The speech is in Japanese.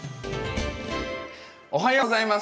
おはようございます。